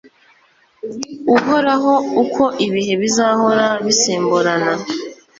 uhoraho, uko ibihe bizahora bisimburana